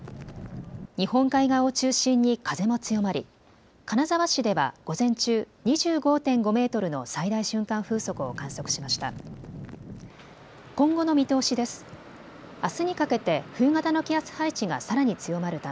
日本海側を中心に風も強まり金沢市では午前中、２５．５メートルの最大瞬間風速を観測しました。